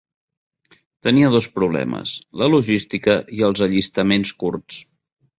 Tenia dos problemes: la logística i els allistaments curts.